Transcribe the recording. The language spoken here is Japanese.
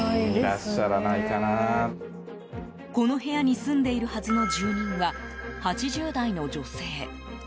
この部屋に住んでいるはずの住人は、８０代の女性。